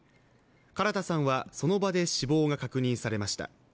唐田さんはその場で死亡が確認されました。